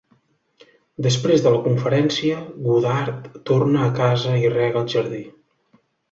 Després de la conferència, Godard torna a casa i rega el jardí.